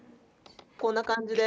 こんな感じで。